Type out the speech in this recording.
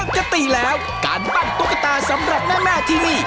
ปกติแล้วการปั้นตุ๊กตาสำหรับแม่ที่นี่